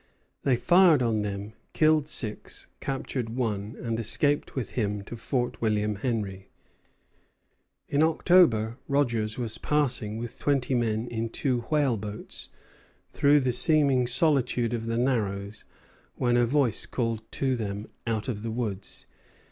They fired on them, killed six, captured one, and escaped with him to Fort William Henry. In October Rogers was passing with twenty men in two whaleboats through the seeming solitude of the Narrows when a voice called to them out of the woods.